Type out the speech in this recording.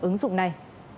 ứng dụng này